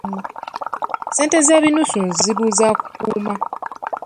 Ssente z’ebinusu nzibu za kukuuma.